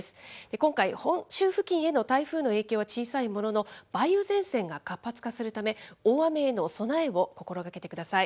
今回、本州付近への台風の影響は小さいものの、梅雨前線が活発化するため、大雨への備えを心がけてください。